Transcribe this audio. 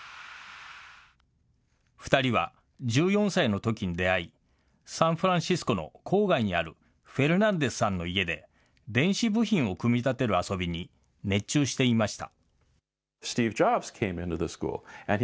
２人は１４歳のときに出会い、サンフランシスコの郊外にあるフェルナンデスさんの家で、電子部品を組み立てる遊びに熱中していました。